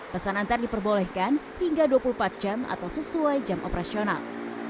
pesanan terdiri perbolehkan hingga dua puluh empat jam atau sesuai jam operasional